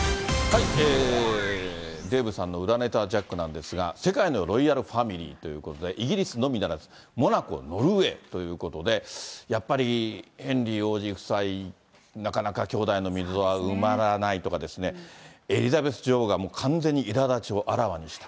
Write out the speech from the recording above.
デーブさんの裏ネタジャックなんですが、世界のロイヤルファミリーということで、イギリスのみならず、モナコ、ノルウェーということで、やっぱり、ヘンリー王子夫妻、なかなか兄弟の溝は埋まらないとかですね、エリザベス女王がもう完全にいらだちをあらわにした。